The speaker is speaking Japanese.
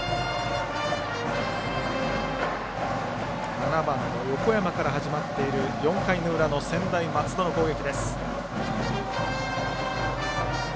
７番の横山から始まっている４回の裏の専大松戸の攻撃。